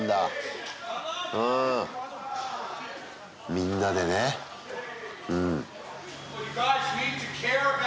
みんなでねうん。